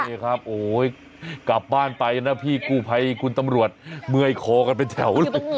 นี่ครับโอ้ยกลับบ้านไปนะพี่กู้ภัยคุณตำรวจเมื่อยคอกันเป็นแถวเลย